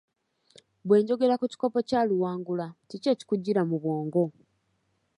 Bwe njogera ku kikopo kya Luwangula, kiki ekikujjira mu bw'ongo?